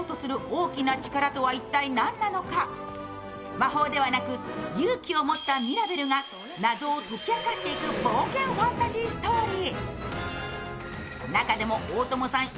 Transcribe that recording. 魔法ではなく勇気を持ったミラベルが謎を解き明かしていく冒険ファンタジーストーリー。